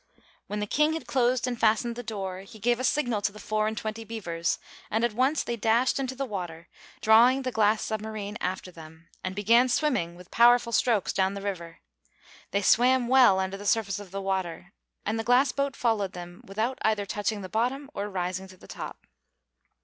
When the King had closed and fastened the door, he gave a signal to the four and twenty beavers, and at once they dashed into the water, drawing the glass submarine after them, and began swimming with powerful strokes down the river. They swam well under the surface of the water, and the glass boat followed them without either touching the bottom or rising to the top.